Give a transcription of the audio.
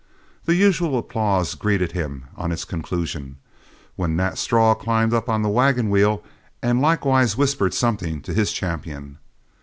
The usual applause greeted him on its conclusion, when Nat Straw climbed up on the wagon wheel, and likewise whispered something to his champion.